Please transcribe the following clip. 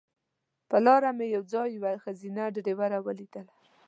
پر لاره مې یو ځای یوه ښځینه ډریوره ولیدله.